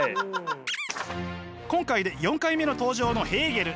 今回で４回目の登場のヘーゲル。